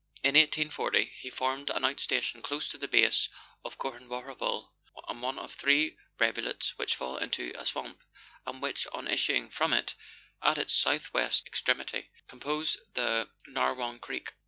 In 1840 he formed an out station close to the base of Corhanwarrabul, on one of three rivulets, which fall into a swamp, and which, on issuing from it at its south west extremity, compose the Narre wong creek.